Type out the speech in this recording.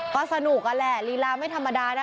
ก็สนุกนั่นแหละลีลาไม่ธรรมดานะ